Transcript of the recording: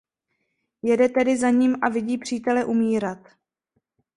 Jede tedy za ním a vidí přítele umírat.